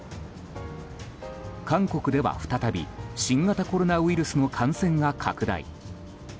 韓国では、再び新型コロナウイルスの感染が拡大。